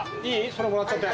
それもらっちゃって。